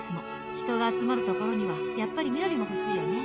「人が集まるところにはやっぱり緑もほしいよね」